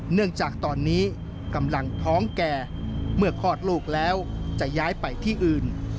เนื่องจากตอนนี้กำลังท้องแก่เมื่อคลอดลูกแล้วจะย้ายไปที่อื่น